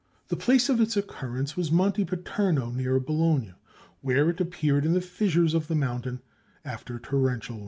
The place of its occurrence was Monte Paterno, near Bologna, where it appeared in the fissures of the mountain, after torrential rains.